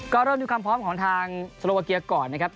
ก็เริ่มดูความพร้อมของทางสโลวาเกียก่อนนะครับ